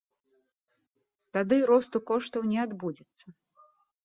Тады росту коштаў не адбудзецца.